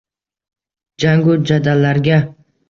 Jangu jadallarga